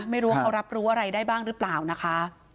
ไม่รู้ว่าเขารับรู้อะไรได้บ้างหรือเปล่านะคะ